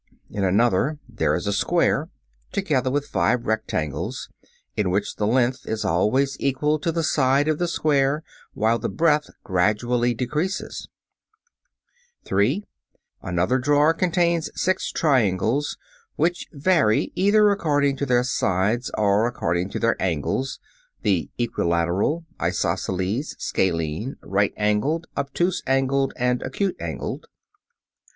] (2) In another there is a square, together with five rectangles in which the length is always equal to the side of the square while the breadth gradually decreases. (Fig. 18.) [Illustration: FIG. 18. SET OF SIX RECTANGLES.] (3) Another drawer contains six triangles, which vary either according to their sides or according to their angles (the equilateral, isosceles, scalene, right angled, obtuse angled, and acute angled).